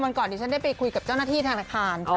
ก่อนดิฉันได้ไปคุยกับเจ้าหน้าที่ธนาคาร